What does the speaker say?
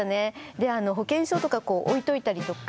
で保険証とかこう置いといたりとか。